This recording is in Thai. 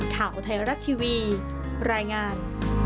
ข่าวไทยรัฐทีวีรายงาน